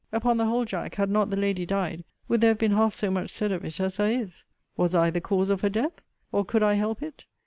Upon the whole, Jack, had not the lady died, would there have been half so much said of it, as there is? Was I the cause of her death? or could I help it?